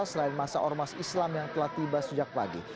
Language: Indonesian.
selain masa ormas islam yang telah tiba sejak pagi